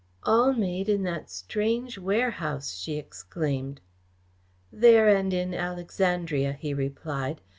"All made in that strange warehouse!" she exclaimed. "There and in Alexandria," he replied.